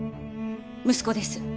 息子です。